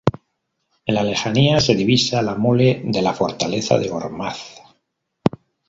En la lejanía se divisa la mole de la fortaleza de Gormaz.